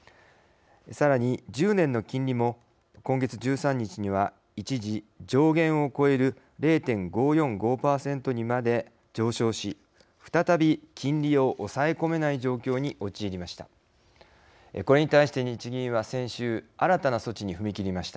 さらに１０年の金利も今月１３日には一時、上限を超える０．５４５％にまで上昇し再び金利を抑え込めない状況に陥りました。